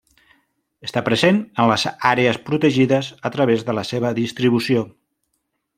Està present en les àrees protegides a través de la seva distribució.